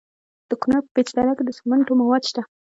د کونړ په پیچ دره کې د سمنټو مواد شته.